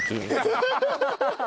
ハハハハ。